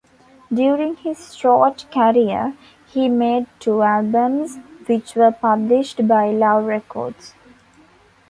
During his short career he made two albums, which were published by Love Records.